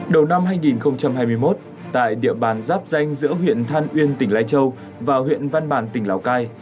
đầu năm hai nghìn hai mươi một tại địa bàn giáp danh giữa huyện than uyên tỉnh lai châu và huyện văn bàn tỉnh lào cai